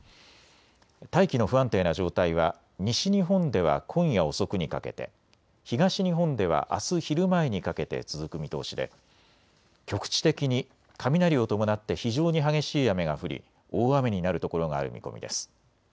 大気の不安定な状態は西日本では今夜遅くにかけて、東日本ではあす昼前にかけて続く見通しで局地的に雷を伴って非常に激しい雨が降り大雨になるところがある見込みです。